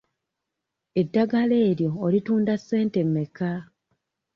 Eddagala eryo olitunda ssente mmeka?